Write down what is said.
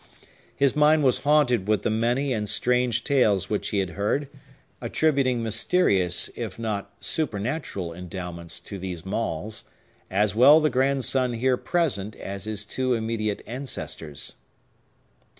His mind was haunted with the many and strange tales which he had heard, attributing mysterious if not supernatural endowments to these Maules, as well the grandson here present as his two immediate ancestors.